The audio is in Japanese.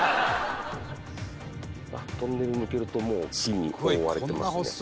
トンネル抜けるともう木に覆われてますね。